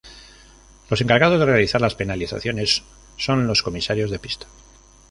Los encargados de realizar las penalizaciones son los comisarios de pista.